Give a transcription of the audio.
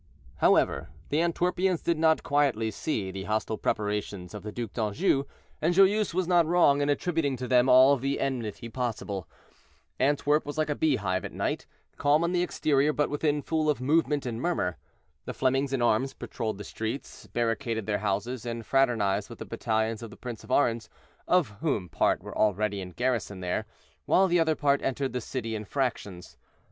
However, the Antwerpians did not quietly see the hostile preparations of the Duc d'Anjou, and Joyeuse was not wrong in attributing to them all the enmity possible. Antwerp was like a beehive at night, calm on the exterior, but within full of movement and murmur. The Flemings in arms patroled the streets, barricaded their houses, and fraternized with the battalions of the Prince of Orange, of whom part were already in garrison there, while the other part entered the city in fractions.